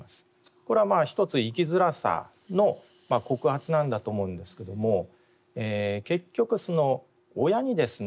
これはまあ一つ生きづらさの告発なんだと思うんですけども結局親にですね